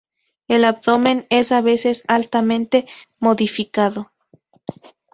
El abdomen es a veces altamente modificado.